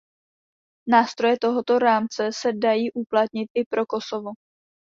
Nástroje tohoto rámce se dají uplatnit i pro Kosovo.